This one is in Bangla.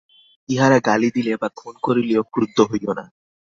ইঁহারা গালি দিলে বা খুন করিলেও ক্রুদ্ধ হইও না।